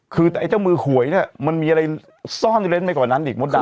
คือแต่ไอ้เจ้ามือหวยเนี่ยมันมีอะไรซ่อนเล้นไปกว่านั้นอีกมดดำ